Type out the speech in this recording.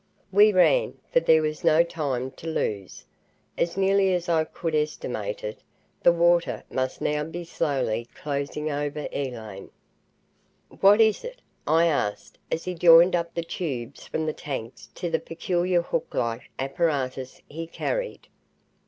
We ran, for there was no time to lose. As nearly as I could estimate it, the water must now be slowly closing over Elaine. "What is it?" I asked as he joined up the tubes from the tanks to the peculiar hook like apparatus he carried.